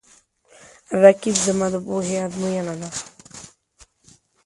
رقیب زما د پوهې آزموینه ده